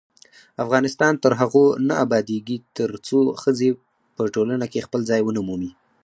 افغانستان تر هغو نه ابادیږي، ترڅو ښځې په ټولنه کې خپل ځای ونه مومي.